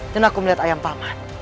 dan aku melihat ayam paman